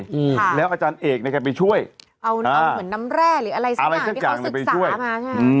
อืมแล้วอาจารย์เอกเนี่ยก็ไปช่วยเอาเหมือนน้ำแร่หรืออะไรสักอย่างที่เขาศึกษามาใช่ไหม